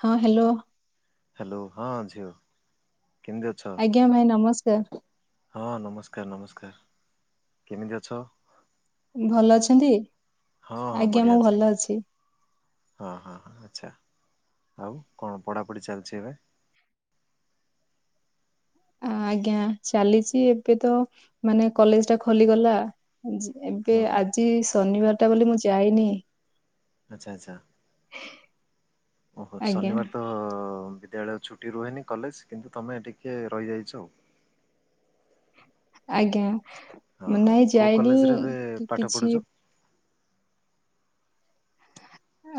ହଁ hello. Hello ହଁ ଝିଅ। କେମିତି ଅଛ? ଆଜ୍ଞା ଭାଇ ନମସ୍କାର। ହଁ ନମସ୍କାର ନମସ୍କାର କେମିତି ଅଛ? ଭଲ ଅଛନ୍ତି ହଁ ହଁ ଆଜ୍ଞା ବଢ଼ିଆ ମୁଁ ଭଲ ଅଛି। ହଁ ହଁ ହ ଆଛା। ଆଉ କଣ ପଢାପଢି ଚାଲିଛି ଏବେ? ଆଜ୍ଞା ଚାଲିଛି ଏବେ ତ ମାନେ କଲେଜ ଟା ଖୋଲିଗଲା। ଏବେ ଓହୋ ଆଜି ଶନିବାର ଟା ବୋଲି ମୁଁ ଯାଇନି। ଆଛା ଆଛା ଓହୋ ଆଜ୍ଞା ଶନିବାର ତ ଦେ ବେଳ ଛୁଟି ରୁହେନି କଲେଜ କିନ୍ତୁ ତମେ ଟିକେ ରହିଯାଇଛ ଆଉ। ଆଜ୍ଞା। ହଁ ମୁଁ ହଁ ନାଇଁ କୋଉଁ ଯାଇନି। କଲେଜରେ ଏବେ କି- ପାଠ କିଛି ପଢୁଛ?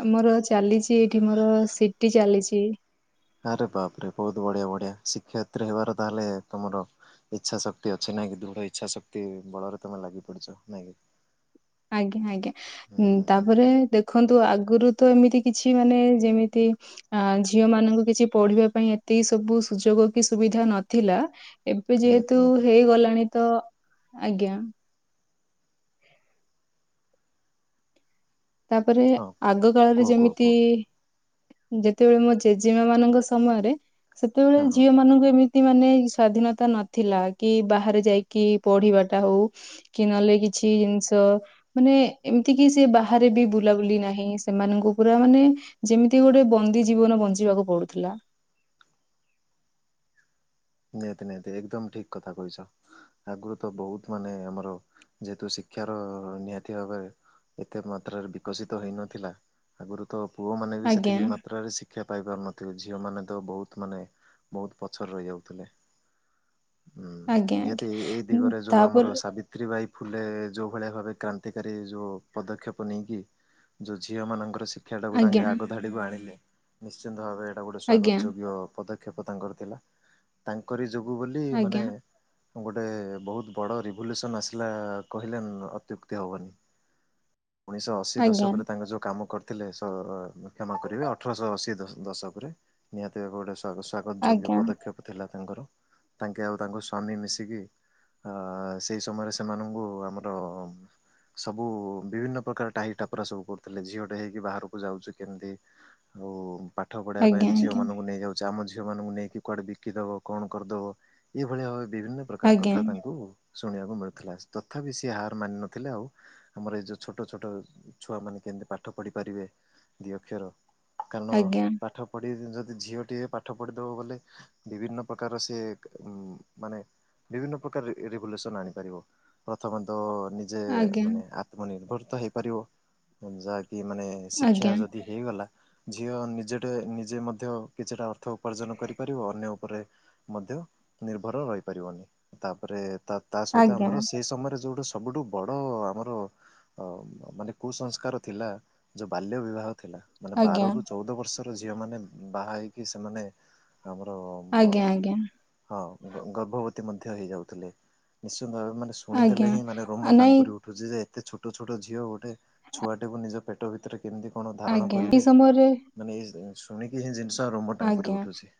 ଆ ମୋର ଚାଲିଛି ଏଇଠି ମୋର ସିଟି ଚାଲିଛି। ଆରେ ବାପରେ ବହୁତ ବଢିଆ ବଢିଆ ଶିକ୍ଷୟତ୍ରୀ ହେବାର ତାହେଲେ ତମର ଇଚ୍ଛା ଶକ୍ତି ଅଛି ନାଇଁ? ନାଇଁ କି ଦୃଢ ଇଚ୍ଛା ଶକ୍ତି ବଳରେ ତମେ ଲାଗି ପଡିଛ ନାଇଁ କି? ଆଜ୍ଞା ହୁଁ ଆଜ୍ଞା ହୁଁ ହୁଁ ତାପରେ ଦେଖନ୍ତୁ ଆଗରୁ ତ ଏମିତି କିଛି ମାନେ ଯେମିତି ଅ ଝିଅ ମାନଙ୍କୁ କିଛି ପଢିବା ପାଇଁ ଏତିକି ସବୁ ସୁଯୋଗ କି ସୁବି ସୁବିଧା ନଥିଲା ଏବେ ନିହାତି ଯେହେତୁ ନିହାତି ହେଇଗଲାଣି ତ ଆଜ୍ଞା। ତାପରେ ହଁ ଆଗ କାଳରେ କୁହ କୁହ ଯେମିତି କୁହ ଯେତେବେଳେ ମୋ ଜେଜେମା ମାନଙ୍କ ସମୟରେ ସେତେବେଳେ ହଁ ହଁ ଝିଅ ମାନଙ୍କୁ ଏମି ମାନେ ସ୍ଵାଧୀନତା ନଥିଲା କି ବାହାରେ ଯାଇକି ପଢି଼ବା ଟା ହଉ କି ନହେଲେ କି କିଛି ଜିନିଷ ମାନେ ଏମିତି କି ସେ ବା ବାହାରେ ବି ବୁଲାବୁଲି ନାହିଁ ସେମାନଙ୍କୁ ପୁରା ମାନେ ଯେମିତି ଗୋଟେ ବନ୍ଦୀ ଜୀବନ ବଞ୍ଚିବାକୁ ପଡୁ଼ଥିଲା। [inaudible] ନିହାତି ନିହାତି ଏକଦମ୍ ଠିକ୍ କଥା କହିଛନ୍ତି ଆଗରୁ ତ ବହୁତ୍ ମାନେ ଆମର ଯେହେତୁ ଶିକ୍ଷାର ନିହାତି ଭାବରେ ଏତେ ମାତ୍ରାରେ ବିକଶିତ ହେଇନଥିଲା ଆଗରୁ ତ ପୁଅ ମାନେ ବି ଆଜ୍ଞା ସେତିକି ମାତ୍ରାରେ ଶିକ୍ଷା ପାଇ ପାରୁନଥିବେ। ଝିଅମାନେ ତ ବହୁତ୍ ମାନେ ବହୁତ୍ ପଛରେ ରହିଯାଉଥିଲେ। ହୁଁ ଆଜ୍ଞା ନିହାତି ଏଇ ଆଜ୍ଞା ଦିଗରେ ଯୋଉ ଆମର ତାପରେ ସାବିତ୍ରୀ ଭାଇ ଫୁଲେ ଯଉ ଭଳିଆ ଭାବେ କ୍ରାନ୍ତିକାରୀ ଯୋଉ ପଦକ୍ଷେପ ନେଇକି ଯୋଉ ଝିଅ ମାନଙ୍କର ଶି [unintelligible] ତାଙ୍କେ ଆଜ୍ଞା ଆଗ ଧାଡି଼କୁ ଆଣିଲେ ନିଶ୍ଚିନ୍ତ ଭାବରେ ଏଇଟା ଗୋଟେ ସ୍ଵାଗତ ଆଜ୍ଞା ଯୋଗ୍ୟ ପଦ କ୍ଷେପ ତାଙ୍କର ଥିଲା ତାଙ୍କରି ଯୋଗୁ ବୋଲି ମାନେ ଆଜ୍ଞା ଗୋଟେ ବହୁତ୍ ବଡ଼ ରିଭ୍ୟୁଲେସନ୍ ଆସିଲା କହିଲେ ଅତ୍ୟୁକ୍ତି ହବନି। ଉଣେଇଶହ ଅଶୀ ଦଶକରେ ତାଙ୍କ ଯୋଉ କାମ କରି ଥିଲେ ସ କ୍ଷମା କରିବେ ଅଠରଶହ ଅଶୀ ଦଶ ଦଶକରେ ନିହାତି ଏକ ଗୋଟେ ସ୍ଵାଗତ ଯୋଗ୍ୟ ଆଜ୍ଞା ପଦକ୍ଷେପ ଥିଲା ତାଙ୍କର ତାଙ୍କେ ଆଉ ତାଙ୍କ ସ୍ଵାମୀ ମିଶିକି ଅ ସେଇ ସମୟରେ ସେମାନଙ୍କୁ ଆମର ସବୁ ବିଭିନ୍ନ ପ୍ରକାର ଟାହି ଟାପରା ସବୁ କରୁଥିଲେ ଝିଅଟେ ହେଇକି ବାହାରକୁ ଯାଉଛୁ କେମିତି। ଆଉ [inaudible] ପାଠ ପଢେଇବା ପାଇଁ ଆଜ୍ଞା ଝିଅମାନଙ୍କୁ ନେଇ ଯାଉଛି ଆମ ଝିଅମାନଙ୍କୁ ନେଇକି କୁଆଡେ ବି କି ଦବ କଣ କରିଦବ ଏଇଭଳିଆ ଭାବେ ବିଭିନ୍ନ ପ୍ରକାର କଥା ଆଜ୍ଞା ତାଙ୍କୁ ଶୁଣିବାକୁ ମିଳୁଥିଲା ତଥାପି ସିଏ ହାର ମାନିନଥିଲେ ଆଉ ଆମର ଏଇ ଯୋଉ ଛୋଟ ଛୋଟ ଛୁଆ ମାନେ କେମିତି ପାଠ ପଢ଼ି ପାରିବେ ଦି ଅକ୍ଷର କାରଣ ଆଜ୍ଞା ଆଜ୍ଞା ପାଠ ପଢ଼ି ଯଦି ଝିଅ ଟିଏ ପାଠ ପଢି଼ଦବ ବୋଲି ବିଭିନ୍ନ ପ୍ରକାରର ସେ ମାନେ ବିଭିନ୍ନ ପ୍ରକାର ରେ ରେଗୁଲେସନ୍ ଆଣିପାରିବ ପ୍ରଥମେ ତ ନିଜେ ମାନେ ଆତ୍ମନିର୍ଭରତା ହେଇପାରିବ ଯାହା କି ମାନେ ଆଜ୍ଞା ଶିକ୍ଷା ଆଜ୍ଞା ଯଦି ହେଇଗଲା ଝିଅ ନିଜେଟେ ନିଜେ ମଧ୍ୟ କିଛିଟା ଅର୍ଥ ଉପାର୍ଜନ କରିପାରିବ। ଅନ୍ୟ ଉପରେ ମଧ୍ୟ ନିର୍ଭର ରହିପାରିବନି ତାପରେ ତା ତା ସହିତ ଆଜ୍ଞା ଆମର ସେଇ ସମୟରେ ଯୋଉଡା‌ ସବୁଠୁ ବଡ଼ ଆମର ମାନେ କୁସଂସ୍କାର ଥିଲା ଯୋଉ ବାଲ୍ୟ ବିବାହ ଥିଲା ମାନେ ବାର ଆଜ୍ଞା ରୁ ଚଉଦ ବର୍ଷର ଝିଅ ମାନେ ବାହା ହେଇକି ସେମାନେ ଆମ ଆଜ୍ଞା ଆଜ୍ଞା। ଗର୍ଭବତୀ ମଧ୍ୟ ହେଇଯାଉଥିଲେ। ମାନେ ଆଜ୍ଞା ଶୁଣିଦେଲେ ହିଁ ମାନେ ରୋମ ଆ, ନାଇଁ ଟାଙ୍କୁରି ଉଠୁଛି ଯେ ଏତେ ଛୋଟ ଛୋଟ ଝିଅ ଗୋଟେ ଛୁଆଟେ କୁ ନିଜ ପେଟ ଭିତରେ କେମିତି କଣ ଧାରଣ ଆଜ୍ଞା ଏଇ କରିବେ ସମୟରେ ମାନେ ଏଇ ଶୁଣିକି ହିଁ ଜିନିଷ ରୋମ ଟାଙ୍କୁରି ଆଜ୍ଞା ଉଠୁଛି।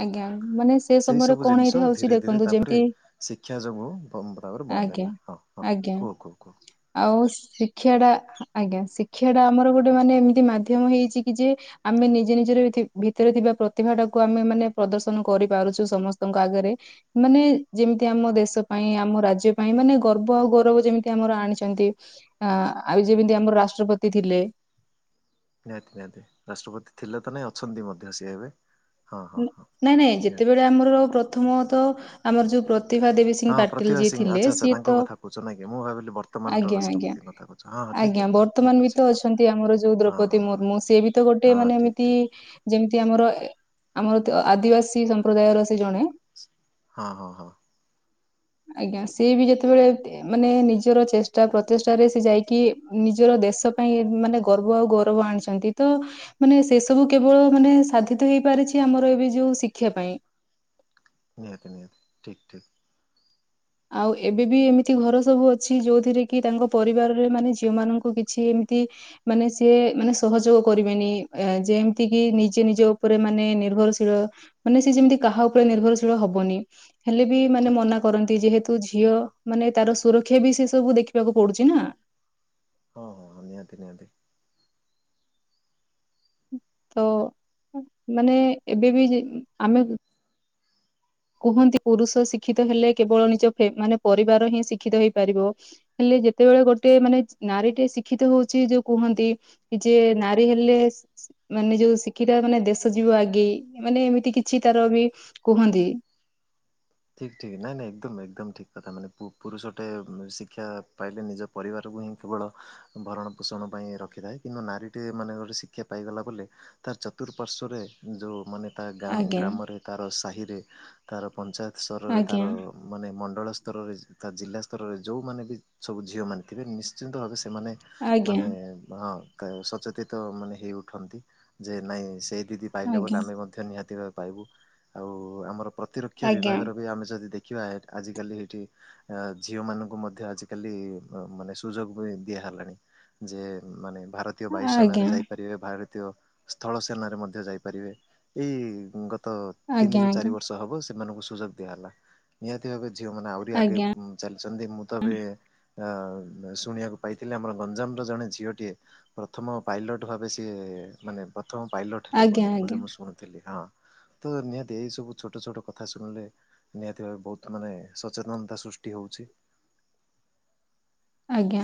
ଆଜ୍ଞା ମାନେ ସେ ସେଇ ସମୟରେ ସବୁ କଣ ଜିନିଷ ହେଇଥାଉଛି ଧୀରେ ଧୀରେ ଦେଖନ୍ତୁ ଯେମିତି ତାପରେ ଶିକ୍ଷା ଯୋଗୁ ପୁରାପୁରି ବନ୍ଦ। ଆଜ୍ଞା ହେଲା ହଁ ହଁ ଆଜ୍ଞା କୁହ କୁହ କୁହ ଆଉ। ଶିକ୍ଷା ଟା ଆଜ୍ଞା ଶିକ୍ଷା ଟା ଆମର ଗୋଟେ ମାନେ ଏମିତି ମାଧ୍ୟମ ହେଇଛି କି ଯେ ଆମେ ନିଜେ ନିଜ [unintelligible] ଭିତରେ ଥିବା ପ୍ରତିଭା ଟାକୁ ଆମେ ମାନେ ପ୍ରଦର୍ଶନ କରିପାରୁଛୁ ସମସ୍ତଙ୍କ ଆଗରେ ମାନେ ଯେମିତି ଆମ ଦେଶ ପାଇଁ ଆମ ରାଜ୍ୟ ପାଇଁ ମାନେ ଗର୍ବ ଆଉ ଗୌରବ ଯେମିତି ଆମର ଆଣିଛନ୍ତି ଆ ଆଉ ଯେମିତି ଆମର ରାଷ୍ଟ୍ରପତି ଥିଲେ। [inaudible] ନିହାତି ନିହାତି ରାଷ୍ଟ୍ରପତି ଥିଲେ ତ ନାଇଁ ଅଛନ୍ତି ମଧ୍ୟ ସିଏ ଏବେ। ହଁ ହଁ ନ ହଁ ନାଇଁ ନାଇଁ ନିହାତି। ଯେତେବେଳେ ଆମର ପ୍ରଥମ ତ ଆମର ଯୋଉ ପ୍ର ପ୍ରତିଭା ଦେବୀ ସିଂଘ ହଁ ପାଟିଲ ପ୍ରତିଭା ଯିଏ ସିଂ ଥିଲେ ଆଚ୍ଛା ଆଚ୍ଛା ସିଏ ତାଙ୍କ ତ କଥା କହୁଛ ନାଇଁ କି ମୁଁ ଭାବିଲି ବର୍ତ୍ତମାନର ଆଜ୍ଞା ଆଜ୍ଞା। ରାଷ୍ଟ୍ରପତିଙ୍କ କଥା କହୁଛ ହଁ ହଁ ଠିକ୍ ଆଜ୍ଞା ଅଛି ହଁ ଠିକ୍ ବର୍ତ୍ତମାନ ବି ଅଛି ତ ଅଛନ୍ତି ଆମର ଯୋଉ ହଁ ଦ୍ରୌପଦୀ ହଁ ହଁ। ମୁର୍ମୁ ସିଏ ବି ତ ଗୋଟେ ହଁ ମାନେ ଠିକ୍ ଏମିତି ଠିକ୍। ଯେମ ଆମର ଏ ଆମର ତ ଆଦିବାସୀ ସମ୍ପ୍ରଦାୟର ସେ ଜଣେ। ହଁ ହଁ ହଁ। ହଁ ଆଜ୍ଞା ସିଏ ବି ଯେତେବେଳେ ତେ ମାନେ ନିଜର ଚେଷ୍ଟା ପ୍ରଚେଷ୍ଟାରେ ସେ ଯାଇକି ନିଜର ଦେଶ ପାଇଁ ମାନେ ଗର୍ବ ଆଉ ଗୌରବ ଆଣିଛନ୍ତି ତ ମାନେ ସେ ସବୁ କେବଳ ମାନେ ସାଧିତ ହେଇପାରିଛି। ଆମର ବି ଯୋଉ ଶିକ୍ଷା ପାଇଁ। ନିହାତି ନିହାତି ଠିକ ଠିକ। ଆଉ ଏବେ ବି ଏମିତି ଘର ସବୁ ଅ ଛି ଯୋଉଥିରେ କି ତାଙ୍କ ପରିବାରରେ ମାନେ ଝିଅ ମାନଙ୍କୁ କିଛି ଏମିତି ମାନେ ସିଏ ମାନେ ସହଯୋ ଗ କରିବେନି ଆଁ ଯେମିତି କି ନିଜେ ନିଜ ଉପରେ ମାନେ ନିର୍ଭରଶୀଳ ମାନେ ସେ ଯେମିତି କାହା ଉପ ନିର୍ଭରଶୀଳ ହବନି ହେଲେ ବି ମାନେ ଠିକ୍ ମନା ଠିକ୍ କରନ୍ତ ଯେହେତୁ ଝିଅ ମାନେ ତାର ସୁରକ୍ଷା ବି ସେ ସବୁ ଦେଖିବାକୁ ପଡୁଛି ନା। ହଁ ହଁ ନିହାତି ନିହାତି। ତ ମାନେ ଏବେ ବି ଯେ ଆମେ। କୁହନ୍ତି ପୁରୁଷ ଶିକ୍ଷିତ ହେଲେ କେବଳ ନିଜ ଲେ ମାନେ ପରିବାର ହିଁ ଶିକ୍ଷିତ ହେଇପାରିବ ହେଲେ ଯେତେବେଳେ ଗୋଟେ ମାନେ ନାରୀ ଟେ ଶିକ୍ଷିତ ହଉଛି ଯୋଉ କୁହନ୍ତି ଯେ ନାରୀ ହେଲେ। ମାନେ ଯୋଉ ଶିକ୍ଷିତା ମାନେ ଦେଶ ଯିବ ଆଗେଇ ମାନେ ଏମିତି କିଛି ତାର ବି କୁହନ୍ତି। ଠିକ ଠିକ ନାଇଁ ନାଇଁ ଏକଦମ ଏକଦମ ଠିକ କଥା ମାନେ ପୁ ପୁରୁଷଟେ ଉଁ ଶିକ୍ଷା ପାଇଲେ ନିଜ ପରିବାର। କୁ ହିଁ କେବଳ ଭରଣ ପୋଷଣ ପାଇଁ ରଖିଥାଏ କିନ୍ତୁ ନାରୀ ଟିଏ ମାନେ ଗୋଟେ ଶିକ୍ଷା ପାଇଗଲା ବୋଲି ତା ଚତୁର୍ପାଶ୍ୱରେ ଯଉ ମାନେ। ତା ଗା ଆଜ୍ଞା ଗ୍ରାମରେ ତାର ସାହିରେ ତାର ପଞ୍ଚାୟତ ସ୍ତରରେ ଆଜ୍ଞା ତାର ମାନେ ମ ଣ୍ଡଳ ସ୍ତରରେ ତା ଜିଲ୍ଲା ସ୍ତରରେ ଯଉମାନେ ବି ସବୁ ଝିଅମାନେ ଥିବେ ନିଶ୍ଚିନ୍ତ ଭାବେ ସେ ସେମାନେ ଆଜ୍ଞା ମାନେ ମାଉଁ। କା ସଚେତିତ ମାନେ ହେଇଉଠନ୍ତି ଯେ ନାଇଁ ସେଇ ଦିଦି ପାଇଲେ ବୋଲି ଆଜ୍ଞା ଆମେ ମଧ୍ୟ ନିହାତି ଭା ପାଇବୁ ଆଉ ଆମର ପ୍ରତିରକ୍ଷା ଆଜ୍ଞା ବିଭାଗର ବି ଆମେ ଯଦି ଦେ ଖିବା ଆଜିକାଲି ସେଇଠି ଅ ଝିଅ ମାନଙ୍କୁ ମଧ୍ୟ ଆଜିକାଲି ଅ ମାନେ ସୁଯୋଗ ବି ଦିଆ ହେଲାଣି ଯେ ମାନେ ଭାରତୀୟ ବାୟୁସେନାରେ ଆଜ୍ଞା ଯାଇପାରିବେ ଭା ଥିବ ସ୍ଥଳ ସେନାରେ ମଧ୍ୟ ଯାଇପାରିବେ ଏଇ ଗତ ଆଜ୍ଞା ଆଜ୍ଞା ଆଜ୍ଞା ତିନିରୁ ଚାରି ବର୍ଷ ହବ ସେମାନଙ୍କୁ ସୁଯୋଗ ଦିଆହେଲା ନିହାତି ଭାବେ ଝିଅ ମାନେ ଆହୁରି ଆଗେ ଆଜ୍ଞା ଉଁ ଚାଲିଛନ୍ତି ମୁଁ ତ ଏବେ। ଅ ମ ଶୁଣିବାକୁ ପାଇଥିଲେ ଆମର ଗଞ୍ଜାମର ଜଣେ ଝିଅଟିଏ ପ୍ରଥମ ପାଇଲଟ ଭାବେ ସିଏ। ଏ ମାନେ ପ୍ର ଥମ ପାଇଲଟ ହେଲେ ଆଜ୍ଞା ପୁଣି ଆଜ୍ଞା। ବୋଲି ମୁଁ ଶୁଣୁଥିଲି ହଁ ତ ନିହାତି ଏଇ ସବୁ ଛୋଟ ଛୋଟ କଥା ଶୁଣିଲେ ନିହାତି ଭାବେ ବହୁତ ମାନେ ସଚେତନତା ସୃଷ୍ଟି ହଉଛି। ଆଜ୍ଞା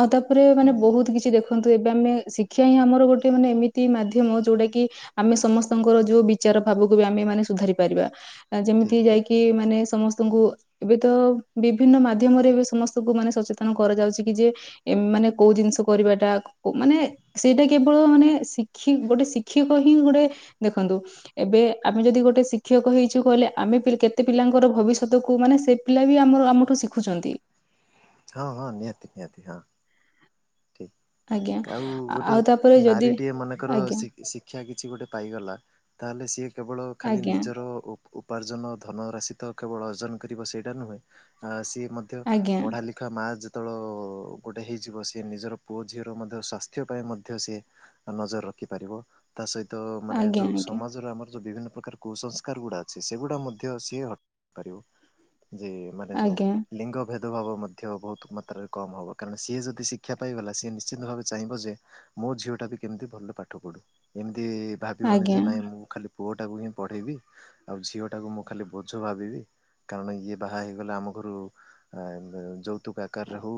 ଆଉ ତାପରେ ମାନେ ହୁଁ ବହୁତ କିଛି ଦେଖନ୍ତୁ ଏବେ ଆମେ। ଶିକ୍ଷା ହିଁ ଆମର ଗୋଟେ ମାନେ ଏମିତି ମାଧ୍ୟମ ଯୋଉଟା କିି ଆମେ ସମସ୍ତଙ୍କର ଯୋଉ ବିଚାର ଭାବକୁ ବି ଆମେ। ମାନେ ସୁଧାରି ପାରିବା ଅଁ ଯେମିତି ଠିକ ଠିକ ଯାଇକି ମାନେ ସମ ତ ଙ୍କୁ ଏବେ ତ ବିଭିନ୍ନ ମାଧ୍ୟମରେ ଏବେ ସମସ୍ତଙ୍କୁ ମାନେ ସଚେ ତନ କରାଯାଉଛି କି ଯେ ଏ ମାନେ କୋଉ ଜିନିଷ କରିବା ଟା କ ଉ ମାନେ ସେଇଟା କେବଳ ମାନେ ଶିକ୍ଷି ଗୋଟେ ଶିକ୍ଷିକ ହିଁ ଗୋଟେ ଦେଖନ୍ତୁ ଏବେ ଆମେ ଯଦି ଗୋଟେ ଶିକ୍ଷକ ହେଇଛୁ କହିଲେ। ଆମେ ପି କେତେ ପିଲାଙ୍କର ଭବିଷ୍ୟତକୁୁ ମାନେ ସେ ପିଲା ବି ଆମର ଆମଠୁ ଶିଖୁଛନ୍ତି। ହଁ ହଁ ନିହାତି ନିହାତି ହଁ। ଆଜ୍ଞା ଠିକ। ଆଉ ଆ- ଗୋଟେ ଆଉ ତାପରେ ଯଦି ନାରୀ ଟିଏ ମନେକର ଆଜ୍ଞା ଶି ଶିକ୍ଷା କିଛି ଗୋଟେ ପାଇଗଲା ତାହେଲେ ସିଏ କେବଳ ଖାଲି ଆଜ୍ଞା ନିଜର ଉ ଉପାର୍ଜନ ଧନ ରାଶି ତ କେବଳ ଅର୍ଜନ କରିବ ସେଇଟା ନୁହେଁ ଆ ସିଏ। ମଧ୍ୟ ଆଜ୍ଞା ପଢା ଲିଖା ମା ଯେତେବେଳ ଗୋଟେ ହେଇଯିବ ସ ନିଜର ପୁଅ ଝିଅ ର ମଧ୍ୟ ସ୍ଵାସ୍ଥ୍ୟ ପାଇଁ ମଧ୍ୟ ସିଏ ନଜର ରଖି ପାରିବ ତା ସହି ତ ମାନେ ଆଜ୍ଞା ଯୋଉଁ ଆଜ୍ଞା ସମାଜରେ ଆମର ଯୋଉ ବିଭିନ୍ନ ପ୍ରକାର କୁସଂସ୍କାର ଗୁଡା ଅଛି। ସେଗୁଡା ମଧ୍ୟ ସିଏ ହଟି ପାରିବ। ଯେ ମାନେ ଯୋଉଁ ଆଜ୍ଞା ଲିଙ୍ଗ ଭେଦଭାବ ମଧ୍ୟ ବହୁତ ମାତ୍ରାରେ କମ ହବ। କାରଣ ସିଏ ଯଦି ଶଷ ଶିକ୍ଷା ପାଇଗଲା ସିଏ ନିଶ୍ଚିତ ଭାବେ ଚାହିଁବ ଯେ ମୋ ଝିଅ ଟା ବି କେମିତି ଭଲ ପାଠ ପଢୁ ଯି ଭାବିବନି ଆଜ୍ଞା ଯେ ନାଇଁ ମୁଁ ଖାଲି ପୁଅଟାକୁ ହିଁ ପଢେଇବି ଆଉ ଝିଅ ଟାକୁ ମୁଁ ଖାଲି ବୋଝ ଭାବିବି କାରଣ ଇଏ ବାହା ହେଇଗଲା। ଆମ ଘରୁ ଆ ଯୌତୁକ ଆକାରରେ ହଉ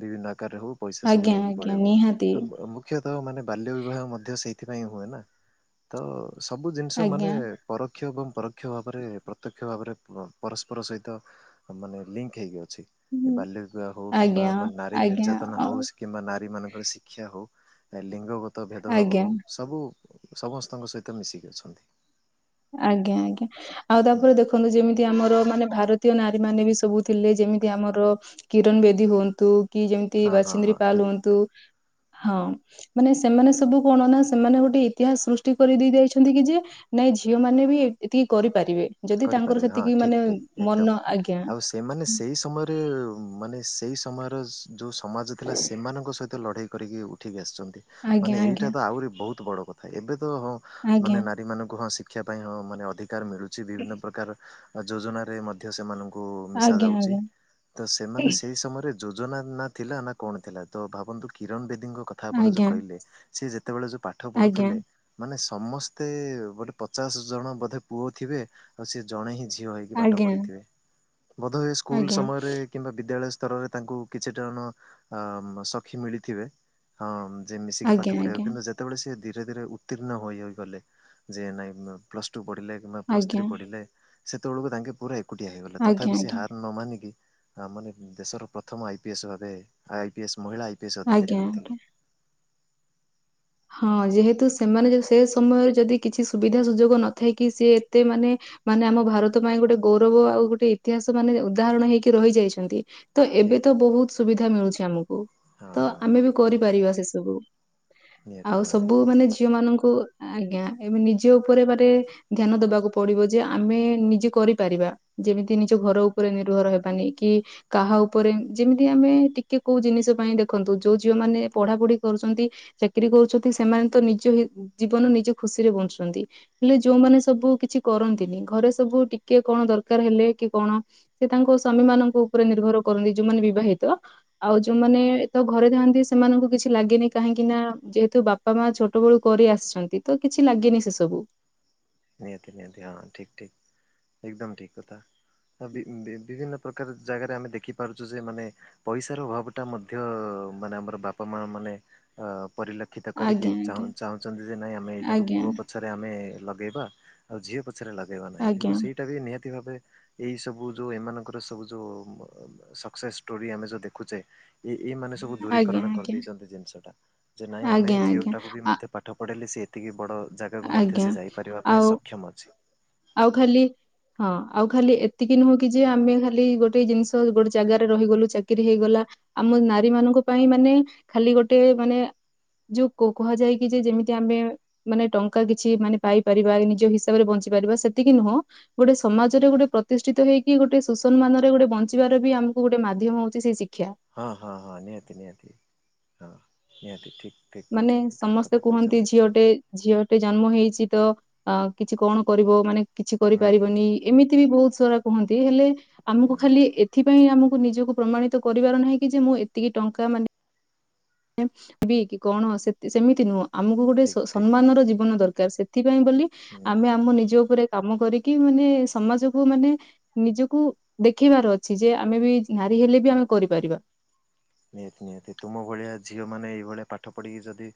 ବିଭିନ୍ନ ଆକାରରେ ହଉ ପଇସା ସବୁ ଆଜ୍ଞା ନେଇକି ଆଜ୍ଞା ପଳେଇବ। ନିହାତି ମୁଖ୍ୟତଃ ମାନେ ବାଲ୍ୟ ବିବାହ ମଧ୍ୟ ସେ ଏଥିପାଇଁ ହୁଏ ନା ତ ସବୁ ଜିନିଷ ମାନେ ଆଜ୍ଞା ପରୋକ୍ଷ ଏବଂ ପରୋକ୍ଷ ଭାବରେ ପ୍ରତ୍ୟକ୍ଷ ଭାବରେ ପରସ୍ପର ସହିତ ମାନେ ଲିଙ୍କ ହେଇକି ଅଛି। ହୁଁ, ବାଲ୍ୟ ବିବାହ ହଉ କିମ୍ବା ଆଜ୍ଞା ଆମ ନାରୀ ଆଜ୍ଞା ନିର୍ଯାତନା ଆଉ ହଉ କିମ୍ବା ନାରୀ ମାନଙ୍କର ଶିକ୍ଷା ହ ଲିଙ୍ଗ ଗତ ଭେଦଭାବ ଆଜ୍ଞା ହଉ ସବୁ ସମସ୍ତଙ୍କ ସହିତ ମିଶିକି ଅଛନ୍ତି। ଆଜ୍ଞା ଆଜ୍ଞା ଆଉ ହୁଁ ତାପରେ ଦେଖନ୍ତୁ ଯେମିତି ଆମର ମାନେ ଭାରତ ତ ନାରୀ ମାନେ ବି ସବୁ ଥିଲେ। ଯେମିତି ଆମର କିରଣ ବେଦୀ ହୁଅନ୍ତୁ। କି ଯେମତି ହଁ ହଁ ବାସିନ୍ଦ୍ରୀ ହଁ ପାଲ ଠିକ୍ ହୁଅନ୍ତୁ। ହଁ ମାନେ ସେମାନେ ସବୁ କଣ ନା ସେମାନେ ଗୋଟେ ଇତିହାସ ସୃଷ୍ଟି କରିଦେଇ ଯାଇଛନ୍ତି। କି ଯେ ନାଇଁ ଝିଅ ମାନେ ବି ଏତିକି କରିପାରିବେ। ଯଦି ତାଙ୍କର କରିପାରିବେ ହଁ ସେତିକି ଠିକ୍ ମାନେ ଠିକ୍ ଏକଦମ ମନ ଆଜ୍ଞା। ଆଉ ସେମାନେ ସେଇ ସମୟରେ ମାନେ ସେଇ ସମୟର ଯୋଉଁ ସମାଜ ଥିଲା। ସେମାନଙ୍କ ସହିତ ଲଢ଼େଇ କରିକି ଉଠିକି ଆସି ଆଜ୍ଞା ମାନେ ଆଜ୍ଞା ଏଇଟା ତ ଆହୁରି ବହୁତ ବଡ କଥା ଏବେ ତ ହଁ ଆଜ୍ଞା ମାନେ ନାରୀ ମାନଙ୍କୁ ହଁ ଶ [unintelligible] ପାଇଁ ମାନେ ଅଧିକାର ମିଳୁଛି। ବିଭିନ୍ନ ପ୍ରକାର ଯୋଜନାରେ ମଧ୍ୟ ସେମାନଙ୍କୁ ମିଶା ଆଜ୍ଞା ଯାଉଛି। ତ ସେମାନେ ସେଇ ସମୟରେ ଯୋଜନା ନା ଥିଲା। ନା କଣ ଥିଲା। ତ ଭାବନ୍ତୁ କିରଣ ବେଦି କଥା ଆପଣ ଯୋଉଁ ଆଜ୍ଞା କହିଲେ ସ ଯେତେବେଳେ ଯୋଉଁ ପାଠ ଆଜ୍ଞା ପଢୁଥିଲେ ମାନେ ସମସ୍ତେ ଗୋଟେ ପଚାଶ ଜଣ ବୋଧେ ପୁଅ ଥିବେ। ଆଉ ସିଏ ଜଣେ ହିଁ ଝିଅ ଝିଅ ହେଇକି ଆଜ୍ଞା ପାଠ ଆଜ୍ଞା। ପଢ଼ିଥିବେ ବୋଧେ ଏ ସ୍କୁଲ ସମୟରେ କିମ୍ବା ବିଦ୍ୟାଳୟ ସ୍ତରରେ ତାଙ୍କୁ କିଛିଟା ଜଣ ସଖୀ ମିଳିଥିବେ। ହଁ ଯେ ଆଜ୍ଞା ମିଶିକି ପାଠ ଆଜ୍ଞା ପଢ଼ିବା କିନ୍ତୁ ଯେତେବେଳେ ସେ ଧୀରେ ଧୀରେ ଉତ୍ତୀର୍ଣ୍ଣ ହୋଇ ହୋଇ ହୋଇଗଲେ। ଯେ ନାଇଁ ପ୍ଲସ ଟୁ ପଢିଲେ କିମ୍ବା ପ୍ଲସ ଆଜ୍ଞା ଥ୍ରୀ ପଢିଲେ। ସେତେବେଳକୁ ତାଙ୍କେ ପୁରା ଏକୁଟିଆ ହେଇଗଲା। ଆଜ୍ଞା ଆଜ୍ଞା ତଥାପି ସେ ଆଜ୍ଞା ହାର ନ ମାନିକି ଆ ମାନେ ଦେଶର ପ୍ରଥମ ଆଇ ପି ଏସ୍ ଭାବେ ଆଇ ପି ଏସ୍ ମହିଳା ଆଇପିଏସ୍ ଅଧିକାରୀ ଆଜ୍ଞା। ହୋଇଥିଲେ। ହଁ ଯେହେତୁ ସେମାନେ ସେ ସମୟରେ ଯଦି କିଛି ସୁବିଧା ସୁଯୋଗ ନଥାଇ ସିଏ ଏତେ ମାନେ ମାନେ ଆମ ଭାରତ ପାଇଁ ଗୋଟେ ଗୌରବ ଆଉ ଗୋଟେ ଇତିହାସ ମାନେ ଉଦାହରଣ ହେଇକି ରହିଯାଇଛନ୍ତି। ତ ଏବେ ଠିକ୍ ତ ବହୁତ ସୁବିଧା ମିଳୁଛି ଆମକୁ ହଁ ତ ହଁ ହଁ ଆମେ ବି କରିପାରିବା ସେ ସବୁ। ନିହାତି ଆଉ ନିହାତି ସବୁ ହଁ ମାନେ ଝିଅ ମାନଙ୍କୁ ଆଜ୍ଞା ଏବେ ନିଜ ଉପରେ ମାନେ ଧ୍ୟାନ ଦବାକୁ ପଡିବ ଯେ ଆମେ ନିଜେ କରିପାରିବା। ଯେମିତି ନିଜ ଘର ଉପରେ ନିର୍ଭର ହେବାନି କି କାହା ଉପରେ ଯେମିତି ଆମେ ଟିକେ କୋଉଁ ଜିନିଷ ପାଇଁ ଦେଖନ୍ତୁ। ଯୋଉଁ ଝିଅ ମାନେ ପଢ଼ା ପଢ଼ି କରୁଛନ୍ତି ଚାକିରୀ କରୁ ଛନ୍ତି। ସେମାନେ ତ ନିଜ ଜୀବନ ନିଜ ଖୁସି ରେ ବଞ୍ଚୁଛନ୍ତି। ହେଲେ ଯୋଉଁମାନେ ସବୁ କିଛି କରନ୍ତିନି। ଘରେ ସବୁ ଟିକେ କଣ ଦରକାର ହେଲେ କି କଣ ସେ ତାଙ୍କ ସ୍ଵାମୀ ମାନଙ୍କ ଉପରେ ନିର୍ଭର କରନ୍ତି ଯୋଉଁ ବିବାହିତ ଆଉ ଯୋଉଁମାନେ ତ ଘରେ ଥାନ୍ତି ସେମାନଙ୍କୁ କିଛି ଲାଗେନି କାହିଁକି ନା ଯେତ କିନ୍ତୁ ବାପା ମା ଛୋଟବେଳୁ କରି ଆସିଛନ୍ତି ତ କିଛି ଲାଗେନି ସେସବୁ ନିହାତି ନିହାତି ହଁ ଠିକ ଠିକ ଏକଦମ ଠିକ କଥା। ବିଭିନ୍ନ ପ୍ରକାର ଜାଗାରେ ଆମେ ଦେଖିପାରୁଛୁ ଯେ ମାନେ ପଇସାର ଅଭାବ ଟା ମଧ୍ୟ ମାନେ ଆମର ବାପା ମା ମାନେ ଅ ପରିଲକ୍ଷିତ କରିକି ଆଜ୍ଞା ଚା ଆଜ୍ଞା ଚାହୁଁଛନ୍ତି। ଯେ ନାଇଁ ଆମେ ଏଇଟାକୁ ଆଜ୍ଞା ପୁଅ ପଛରେ ଆମେ ଇବା ଆଉ ଝିଅ ପଛରେ ଲଗେଇବା ନାହିଁ କିନ୍ତୁ ଆଜ୍ଞା ସେଇଟା ବି ନିହା ଭା ଏଇ ସବୁ ଯୋଉଁ ଏମାନଙ୍କର ସବୁ ଯୋଉଁ ସକ୍ସେସ୍ ଷ୍ଟୋରି ଆମେ ଯୋଉଁ ଦେଖୁଛେ ଏଇ ମାନେ ସବୁ ଆଜ୍ଞା ଦୂରୀକରଣ ଆଜ୍ଞା କରିଦେଇଛନ୍ତି ଜିନିଷ ଟା ଯେ ନାଇଁ ଆମେ ଆଜ୍ଞା ଆଜ୍ଞା। ଝିଅଟାକୁ ବି ଆ ମଧ୍ୟ ପାଠ ପଢେଇଲେଲି ସେି ଏତିକି ବଡ ଜାଗାକୁ ମଧ୍ୟ ଆଜ୍ଞା ସେ ଯାଇପାରିବା ପାଇଁ ଆଉ ସକ୍ଷମ ଅଛି। ଆଉ ଖାଲି ହଁ ଆଉ ଖାଲି ଏତିକି ନୁହଁ କି ଯେ ଆମେ ଖାଲି ଗୋଟେ ଜିନିଷ ଗୋଟେ ଜାଗାରେ ରହିଗଲୁ ଚାକିରି ହେଇଗଲା ଆମ ନାରୀ ମାନଙ୍କ ପାଇଁ ମାନେ ଖାଲି ଗୋଟେ ମାନେ ଯୋଉ କୁକୁହାଯାଇକି ଯେ ଯେମିତି ଆମେ ମାନେ ଟଙ୍କା କିଛି ମାନେ ପାଇପାରିବା ନିଜ ହିସାବରେ ବଞ୍ଚି ପାରିବାସେତିକି ନୁହଁ ଗୋଟେ ସମାଜରେ ଗୋଟେ ପ୍ରତିଷ୍ଠିତ ହେଇକି ଗୋଟେ ସୁସନ୍ମାନରେ ଗୋଟେ ବଞ୍ଚିବାର ବି ଆମର କୋଉ ଗୋଟେ ମାଧ୍ୟମ ହଉଛି ସେଇ ଶିକ୍ଷା ହଁ ହଁ ହଁ ନିହାତି ନିହାତି ହଁ ନିହାତି ଠିକ ମାନେ ସମସ୍ତେ କୁହନ୍ତି ଝିଅଟେ ଝିଅଟେ ଜନ୍ମ ହେଇଛି ତ ଅ କିଛି କଣ କରିବ ମାନେ କିଛି ହୁଁ ହୁଁ କରିପାରିବନି ଏମିତି ବି ବହୁତ ସାରା କୁହନ୍ତି ହେଲେ ଆମକୁ ହୁଁ ଖାଲି ଏଥିପାଇଁ ଆମକୁ ନିଜକୁ ପ୍ରମାଣିତ କରିବାର ନାହିଁ କି ଯେ ମୁଁ ଏତିକି ଟଙ୍କା ମାନେ ବି କି କଣ ସେ ସେମିତି ନୁହଁ ଆମକୁ ଗୋଟେ ସ ଠିକ୍ ଠିକ୍ ସମ୍ମାନର ଜୀବନ ଦରକାର ସେଥି ପାଇଁ ବୋଲି ହୁଁ ଆମେ ଆମ ନିଜ ଉପରେ କାମ କରିକି ମାନେ ସମାଜକୁ ମାନେ ନିଜକୁ ଦେଖେଇବାର ଅଛି ଯେ ଆମେ ବି ନାରୀ ହେଲେ ବି ଆମେ କରିପାରିବା। ନିହାତି ନିହାତି ତୁମ ଭଳିଆ ଝିଅ ମାନେ ଏଇଭଳି ପାଠ ପଢ଼ିକି ଯଦି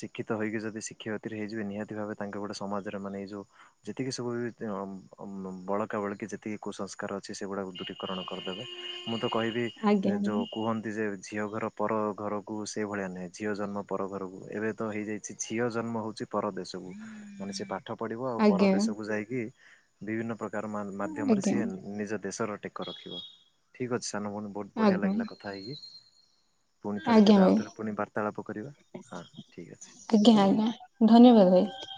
ଶିକ୍ଷିତ ହେଇକି ଯଦି ଶିକ୍ଷିତ ହେଇଯିବେ ନିହାତି ଭାବେ ତାଙ୍କ ଗୋଟେ ସମାଜରେ ମାନେ ଏଇ ଯୋଉ ଯେତିକି ସବୁ ବି ବଳକା ବଳକି ଯେତିକି କୁସଂସ୍କାର ଅଛି ସେଗୁଡ଼ାକ ଦୂରୀକରଣ କରିଦେବେ। ମୁଁ ତ କହିବି ଆଜ୍ଞା ଯେଉଁ କୁହନ୍ତି ଯେ ଅ ଘର ପର ଘରକୁ ସେ ଭଳିଆ ନହେଁ ଝିଅ ଜନ୍ମ ପର ଘରକୁ ଏବେ ତ ହେଇଯାଇଛି ଝିଅ ଜନ୍ମ ହଉଛି ପ୍ରଦେଶକୁ ମଣିଷ ପା ପାଠ ପଢିବ ଆଉ ଆଜ୍ଞା ପରଦେଶ କୁ ଯାଇକି ବିଭିନ୍ନ ପ୍ରକାର ମା ମାଧ୍ୟମରେ ଆଜ୍ଞା ସିଏ ନି ନିଜ ଦେଶର ଟେକ ରଖିବ। ଠିକ ଅଛି ସାନଭଉଣୀ ବହୁତ ବଢିଆ ଆଜ୍ଞା ଲାଗିଲା କଥା ହେଇକି ପୁଣି ଆଜ୍ଞା ଥରେ ଆଜ୍ଞା କେବେ ଆଉ ଭାଇ ଥରେ ପୁଣି ବାର୍ତ୍ତାଳାପ କରିବା ହଁ ଠିକ୍ ଅଛି। ଆଜ୍ଞା ଆଜ୍ଞା ଧନ୍ୟବାଦ ଭାଇ।